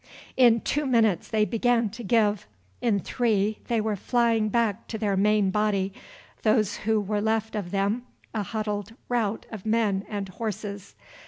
In two minutes they began to give, in three they were flying back to their main body, those who were left of them, a huddled rout of men and horses.